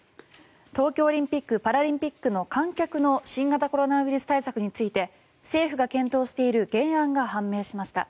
東京オリンピック・パラリンピックの観客の新型コロナウイルス対策について政府が検討している原案が判明しました。